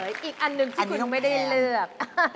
อันนี้ต้องแพงที่คุณไม่ได้เลือก